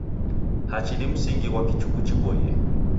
Hachi ni msingi ghwa kichuku chiboie.